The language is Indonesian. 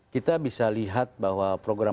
kita bisa lihat bahwa program